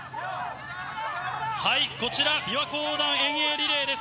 こちら、びわ湖横断遠泳リレーです。